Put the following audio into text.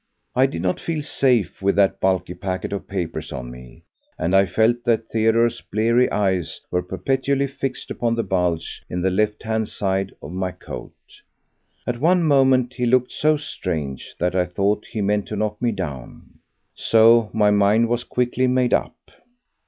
I did not feel safe with that bulky packet of papers on me, and I felt that Theodore's bleary eyes were perpetually fixed upon the bulge in the left hand side of my coat. At one moment he looked so strange that I thought he meant to knock me down. So my mind was quickly made up.